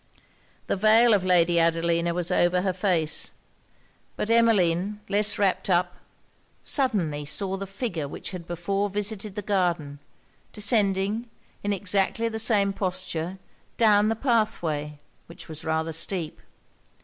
The veil of Lady Adelina was over her face; but Emmeline, less wrapped up, suddenly saw the figure which had before visited the garden, descending, in exactly the same posture, down the pathway, which was rather steep.